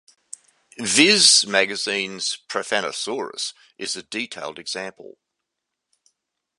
Viz magazine's Profanisaurus is a detailed example.